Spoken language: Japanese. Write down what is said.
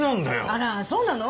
あらそうなの？